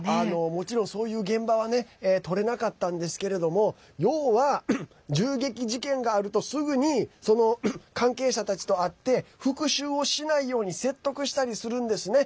もちろん、そういう現場はね撮れなかったんですけれども要は銃撃事件があるとすぐに、その関係者たちと会って復しゅうをしないように説得したりするんですね。